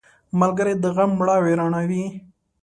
ملګری د غم مړاوې رڼا وي